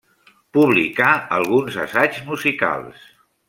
Publicà alguns assaigs musicals.